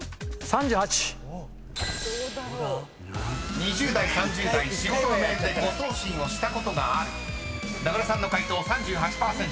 ［２０代３０代仕事のメールで誤送信をしたことがある名倉さんの解答３８％］